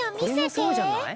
これもそうじゃない？